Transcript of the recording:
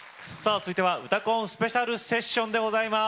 続いては「うたコン」スペシャルセッションでございます。